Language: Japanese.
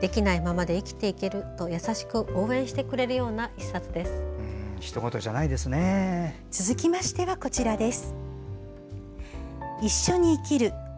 できないままで生きていけると優しく応援してくれるような続きましてはこちらです。